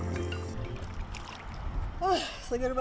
nah ini tempatnya juga sangat menyenangkan